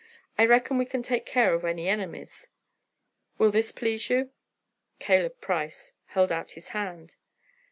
I reckon we can take care of any enemies. Will this please you?" Caleb Price held out his hand.